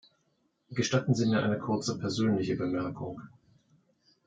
Gestatten Sie mir eine kurze persönliche Bemerkung.